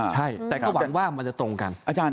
ใช่แต่ก็หวังว่ามันจะตรงกัน